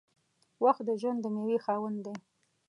• وخت د ژوند د میوې خاوند دی.